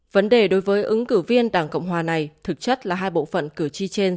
vấn đề đối với ứng cử viên đảng cộng hòa này thực chất là hai bộ phận cử tri trên